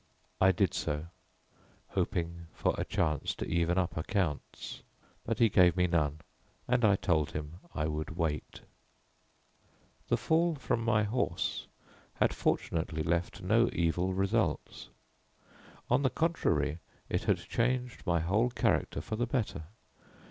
I did so, hoping for a chance to even up accounts, but he gave me none, and I told him I would wait. The fall from my horse had fortunately left no evil results; on the contrary it had changed my whole character for the better.